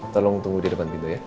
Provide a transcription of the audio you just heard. tolong tunggu di depan pintu ya